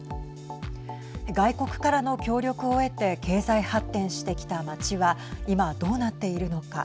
外国からの協力を得て経済発展してきた街は今どうなっているのか。